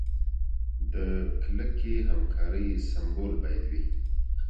د کلکې همکارۍ سمبول باید وي.